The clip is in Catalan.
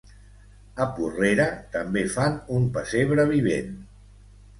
A Porrera també fan un pessebre vivent.